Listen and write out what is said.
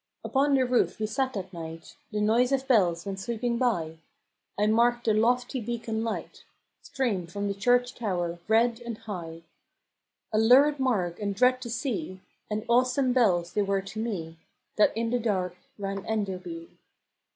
Upon the roofe we sate that night, The noise of bells went sweeping by: I marked the lofty beacon light Stream from the church tower, red and high — A lurid mark and dread to see: And awsome bells they were to mee, That in the dark rang " Enderby."